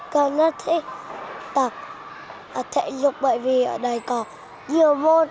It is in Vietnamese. con rất thích tập thể dục bởi vì ở đây có nhiều môn